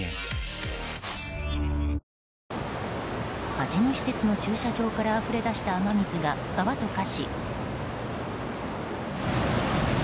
カジノ施設の駐車場からあふれ出した雨水が川と化し。